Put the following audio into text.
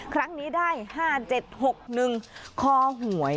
ครั้งนี้ได้ห้าเจ็ดหกหนึ่งคอหวย